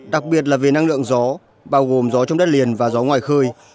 đặc biệt là về năng lượng gió bao gồm gió trong đất liền và gió ngoài khơi